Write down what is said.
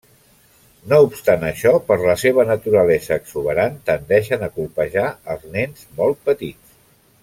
No obstant això, per la seva naturalesa exuberant, tendeixen a colpejar als nens molt petits.